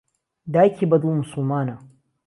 دایکی بەدڵ موسوڵمانە.